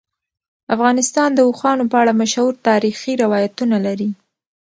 افغانستان د اوښانو په اړه مشهور تاریخی روایتونه لري.